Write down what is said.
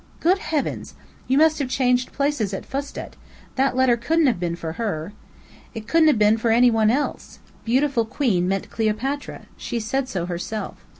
"Good heavens! You must have changed places at Fustât. That letter couldn't have been for her!" "It couldn't have been for any one else. 'Beautiful Queen' meant Queen Cleopatra. She said so herself.